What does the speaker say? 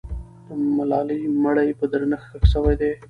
د ملالۍ مړی په درنښت ښخ سوی دی.